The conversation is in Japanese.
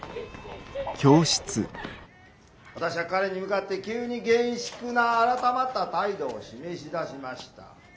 「私は彼に向かって急に厳粛な改まった態度を示し出しました。